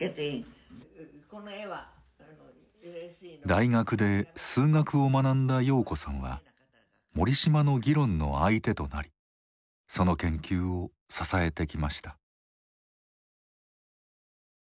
大学で数学を学んだ瑤子さんは森嶋の議論の相手となりその研究を支えてきました。